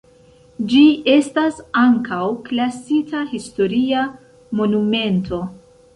Ĝi estas ankaŭ klasita historia monumento.